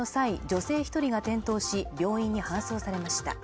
女性一人が転倒し病院に搬送されました